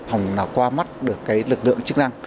hồng nào qua mắt được cái lực lượng chức năng